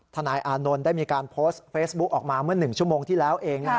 ถนายอานนลได้มีการพสบุคออกมาเมื่อหนึ่งชั่วโมงที่แล้วเอง